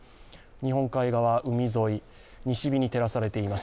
日本海側、海沿い、西日に照らされています。